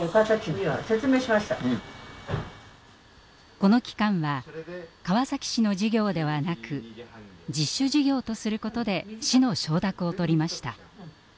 この期間は川崎市の事業ではなく自主事業とすることで市の承諾をとりました。